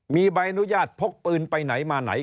มีใบอนุญาตพกปืนไปไหนมาไหน